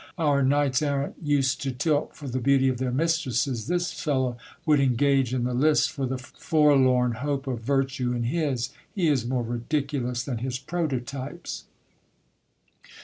Our knights errant used to tilt for the beauty of their mistresses, this fellow would engage in the lists for the forlorn hope of virtue in his ; he is more ridiculous than his prototypes.